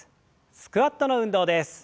スクワットの運動です。